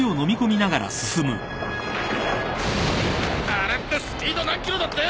あれってスピード何キロだって？